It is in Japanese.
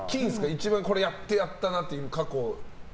一番やってやったなっていう過去。